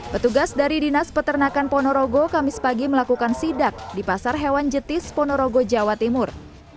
petugas dari dinas peternakan ponorogo kamis pagi melakukan sidak di pasar hewan jetis ponorogo jawa timur